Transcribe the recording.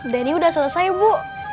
denny udah selesai bu